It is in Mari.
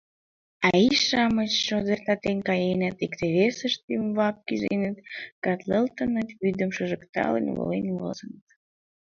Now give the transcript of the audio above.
А ий-шамыч шодыртатен каеныт, икте весыштын ӱмбак кӱзеныт, катлылыныт, вӱдым шыжыктылын, волен возыныт.